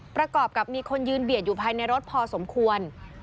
ประกอบกับมีคนยืนเบียดอยู่ภายในรถพอสมควร